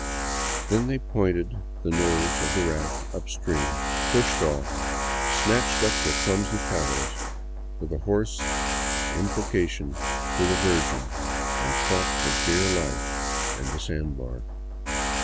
Then they pointed the nose of the raft up stream, pushed off, snatched up their clumsy paddles with a hoarse imploration to the Virgin, and fought for dear life and the sand bar.